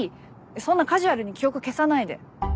そんなカジュアルに記憶消さないで。